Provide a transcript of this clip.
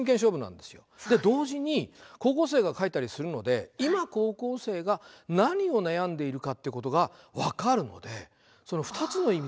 で同時に高校生が書いたりするので今高校生が何を悩んでいるかってことが分かるのでその２つの意味でね